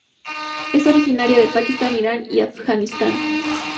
Es originaria de Pakistán Irán y Afganistán.